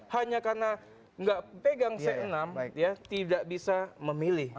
hanya karena nggak pegang c enam ya tidak bisa memilih